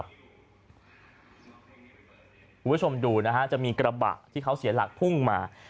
คุณผู้ชมดูนะฮะจะมีกระบะที่เขาเสียหลักพุ่งมา